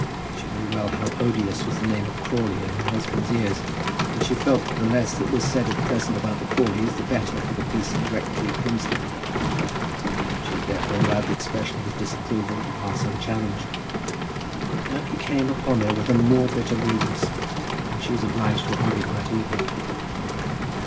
She knew well how odious was the name of Crawley in her husband's ears, and she felt that the less that was said at present about the Crawleys the better for the peace of the rectory at Plumstead. She had therefore allowed the expression of his disapproval to pass unchallenged. But now he came upon her with a more bitter grievance, and she was obliged to argue the matter with him.